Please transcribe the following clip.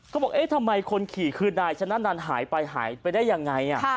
เขาบอกทำไมคนขี่คืนนายฉะนั้นนั้นหายไปหายไปได้ยังไง